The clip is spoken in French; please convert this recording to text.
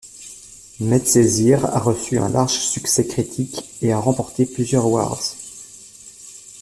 Medcezir a reçu un large succès critique, et a remporté plusieurs awards.